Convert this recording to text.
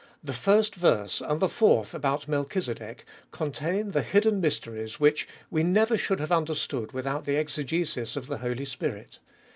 The first verse, and the fourth about Melchizedek, contain the hidden mysteries, which we never should have understood without the exegesis of the Holy Spirit.